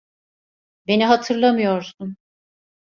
Beni hatırlamıyorsun.